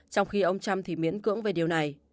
trong khi ông trump thì miễn cưỡng về điều này